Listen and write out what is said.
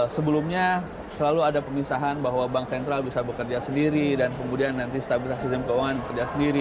sebelumnya selalu ada pemisahan bahwa bank sentral bisa bekerja sendiri dan kemudian nanti stabilitas sistem keuangan kerja sendiri